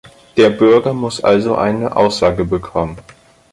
Der Bürger muss also eine Aussage bekommen.